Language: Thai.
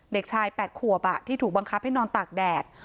เด็กชาย๘ขวบที่ถูกบังคับให้นอนตากแดด